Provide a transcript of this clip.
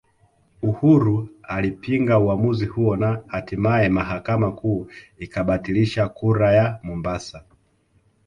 Uhuru alipinga uamuzi huo na hatimaye mahakama kuu ikabatilisha kura ya Mombasa